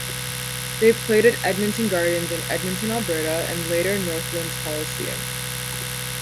They played at Edmonton Gardens in Edmonton, Alberta, and later Northlands Coliseum.